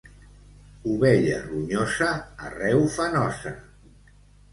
Ovella ronyosa, arreu fa nosa.